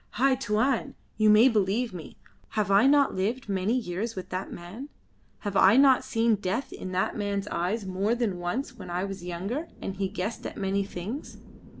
"Hai Tuan, you may believe me. Have I not lived many years with that man? Have I not seen death in that man's eyes more than once when I was younger and he guessed at many things.